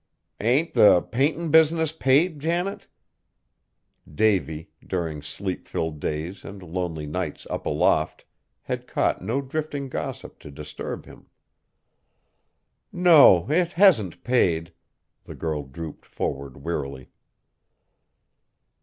"Ain't the paintin' business paid, Janet?" Davy, during sleep filled days and lonely nights up aloft, had caught no drifting gossip to disturb him. "No, it hasn't paid!" The girl drooped forward wearily.